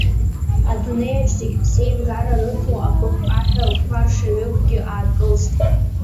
Адунеиаҿ зегь ԥсеивгара рыҭо, апыҟҟаҳәа қәаршаҩыкгьы аакылст.